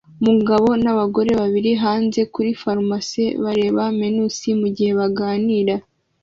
Umugabo nabagore bari hanze kuri Farmosa bareba menus mugihe baganira